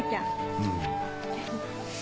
うん。